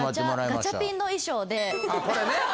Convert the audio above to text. ガチャピンの衣装で。